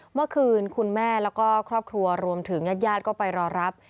เมื่อคืนคุณแม่แล้วก็ครอบครัวรวมถึงญาติญาติก็ไปรอรับ